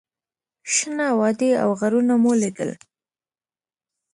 شنه وادي او غرونه مو لیدل.